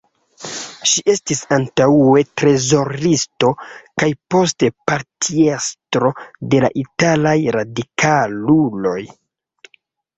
Ŝi estis antaŭe trezoristo kaj poste partiestro de la Italaj Radikaluloj.